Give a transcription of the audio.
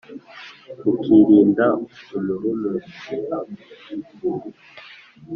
Ukirinda umururumba ntube ikirumbo